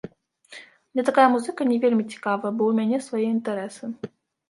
Мне такая музыка не вельмі цікавая, бо ў мяне свае інтарэсы.